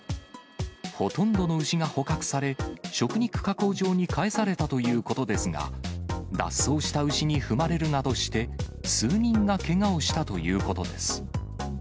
ほとんどの牛が捕獲され、食肉加工場に返されたということですが、脱走した牛に踏まれるなどして、数人がけがをしたということです。